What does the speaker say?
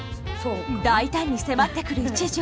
大胆に迫ってくる一条。